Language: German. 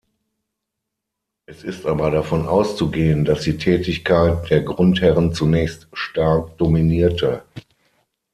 Es ist aber davon auszugehen, dass die Tätigkeit der Grundherren zunächst stark dominierte.